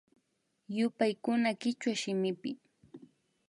Yupaykuna kichwa shimipi